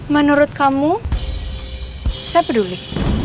menurut kamu saya peduli